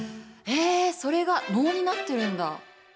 へえそれが能になってるんだ。